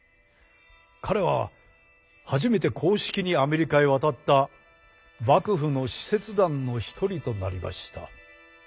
彼は初めて公式にアメリカへ渡った幕府の使節団の一人となりました。